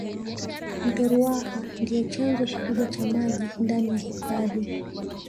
mto ruaha ndiyo chanzo kikubwa cha maji ndani ya hifadhi